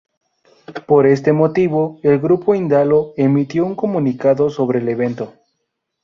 Por este motivo, el Grupo Indalo emitió un comunicado sobre el evento.